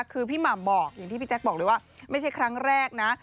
คือพี่หม่ำบอกอย่างที่พี่แจ๊คบอกเลยว่าไม่ใช่ครั้งแรกนะ